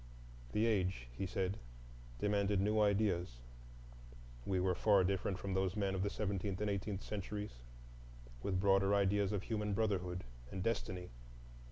The age, he said, demanded new ideas; we were far different from those men of the seventeenth and eighteenth centuries,—with broader ideas of human brotherhood and destiny.